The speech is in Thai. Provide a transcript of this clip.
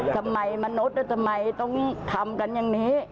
มนุษย์ทำไมต้องทำกันอย่างนี้